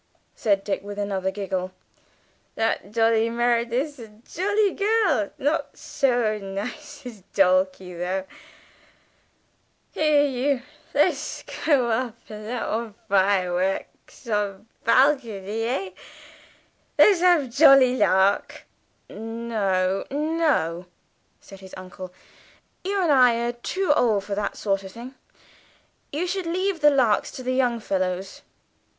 said Dick, with another giggle. "That lil' Dolly Merridew's jolly girl. Not sho nice as Dulcie, though. Here, you, let'sh go up and let off fireworksh on balcony, eh? Letsh have jolly lark!" "No, no," said his uncle. "You and I are too old for that sort of thing. You should leave the larks to the young fellows."